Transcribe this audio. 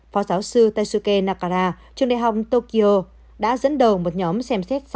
phó giáo sư tetsuke nakara trường đại học tokyo đã dẫn đầu một nhóm xem xét